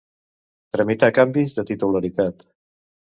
Tramitar canvis de titularitat.